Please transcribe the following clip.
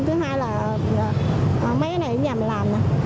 thứ hai là mấy cái này ở nhà mình làm